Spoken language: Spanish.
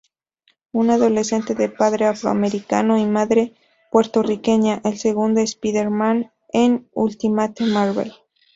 Un adolescente de padre afroamericano y madre puertorriqueña, el segundo Spider-Man en Ultimate Marvel.